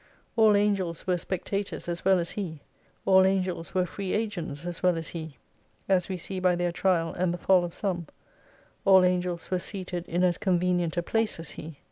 All Angels were spectators as well as he, all Angels were free agents as well as he : as we see by their trial, and the fall of some ; all angels were seated in as convenient a place as he.